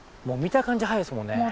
もう見た感じ早いですもんね。